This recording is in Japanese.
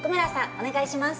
お願いします。